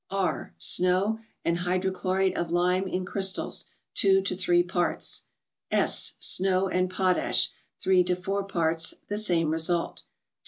R. —Snow, and hydrochlorate of lime in crystals, 2 to 3 parts. S. —Snow and potash, 3 to 4 parts; the same result.